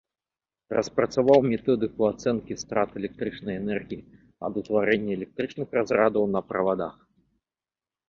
Распрацаваў методыку ацэнкі страт электрычнай энергіі ад утварэння электрычных разрадаў на правадах.